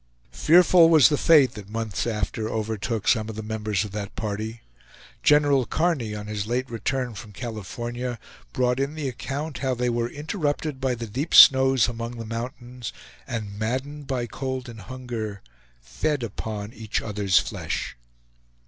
Fearful was the fate that months after overtook some of the members of that party. General Kearny, on his late return from California, brought in the account how they were interrupted by the deep snows among the mountains, and maddened by cold and hunger fed upon each other's flesh.